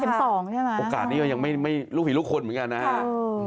เข็มสองใช่ไหมโอกาสนี้ก็ยังไม่ไม่รู้ผิดลูกคนเหมือนกันนะครับ